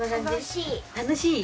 楽しい。